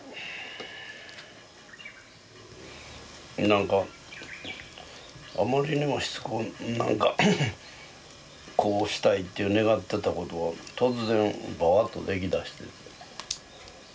・なんかあまりにもしつこくなんかこうしたいって願ってたことが突然バーッと出来だして。